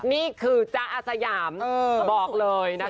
นี่คือจ๊ะอาสยามบอกเลยนะคะ